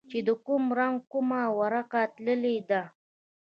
چې د کوم رنگ کومه ورقه تللې ده.